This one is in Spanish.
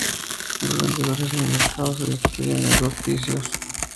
Los vendedores en el mercado se distribuyen en dos pisos.